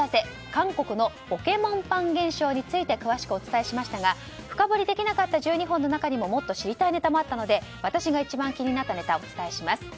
韓国のポケモンパン現象について詳しくお伝えしましたが深掘りできなかった１２本の中にももっと知りたいネタもあったので私が一番気になったネタをお伝えします。